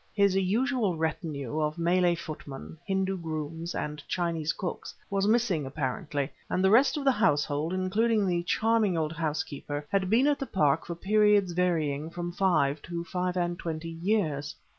His usual retinue of Malay footmen, Hindu grooms and Chinese cooks, was missing apparently, and the rest of the household, including the charming old housekeeper, had been at the Park for periods varying from five to five and twenty years.